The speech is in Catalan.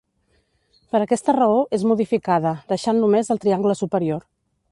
Per aquesta raó és modificada, deixant només el triangle superior.